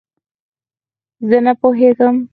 زۀ نۀ پوهېږم.